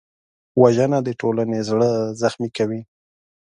وژنه د ټولنې زړه زخمي کوي